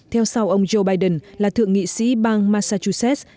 theo sau ông joe biden là thượng nghị sĩ bang massachusetts